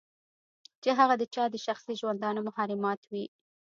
چې هغه د چا د شخصي ژوندانه محرمات وي.